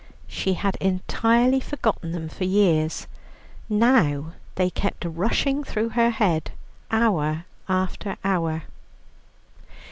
She had entirely forgotten them for years. Now they kept rushing through her head hour after hour.